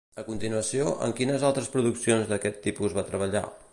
A continuació, en quines altres produccions d'aquest tipus va treballar?